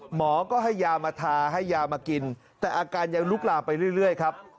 หมอก็ให้ยามาทาให้ยามากินแต่อาการยังลุกลามไปเรื่อยครับ